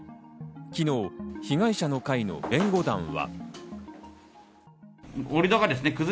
昨日、被害者の会の弁護団は。